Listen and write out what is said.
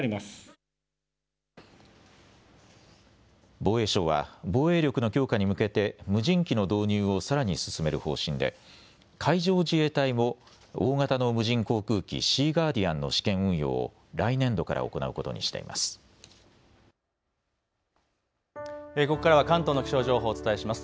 防衛省は防衛力の強化に向けて無人機の導入をさらに進める方針で海上自衛隊も大型の無人航空機、シーガーディアンの試験運用を来年度から行うことにしています。